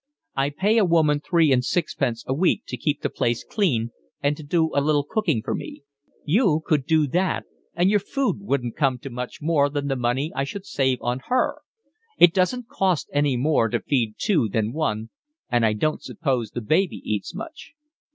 I pay a woman three and sixpence a week to keep the place clean and to do a little cooking for me. You could do that and your food wouldn't come to much more than the money I should save on her. It doesn't cost any more to feed two than one, and I don't suppose the baby eats much."